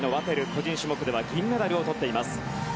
個人種目では銀メダルを取っています。